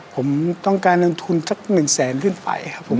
ผมต้องการเงินทุนสักหนึ่งแสนเรื่องไฟครับครับ